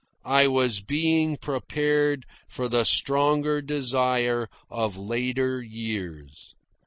I was being prepared for the stronger desire of later years.